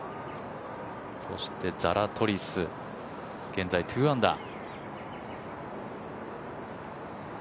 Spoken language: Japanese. そしてザラトリス現在２アンダー。